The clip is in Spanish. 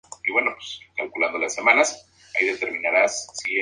En conjunto la izquierda había obtenido una importante presencia en la Asamblea.